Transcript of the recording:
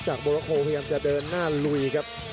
จากโบราโคอย่างจะเดินหน้าลุยครับ